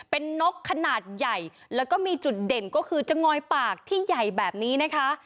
เป็นนกขนาดใหญ่แล้วก็มีจุดเด่นก็คือจะงอยปากที่ใหญ่แบบนี้นะคะ